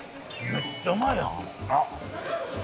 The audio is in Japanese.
めっちゃうまいやんうん！